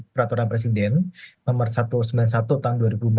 peraturan presiden nomor satu ratus sembilan puluh satu tahun dua ribu empat belas